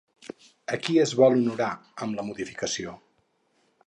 A qui es vol honorar amb la modificació?